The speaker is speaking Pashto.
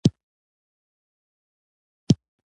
انار د بدن ګرمښت کموي.